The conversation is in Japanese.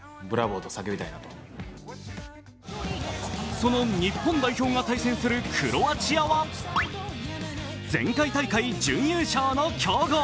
その日本代表が対戦するクロアチアは前回大会準優勝の強豪。